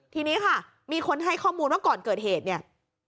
ทีนี้ค่ะมีคนให้ข้อมูลว่าก่อนเกิดเหตุเนี่ย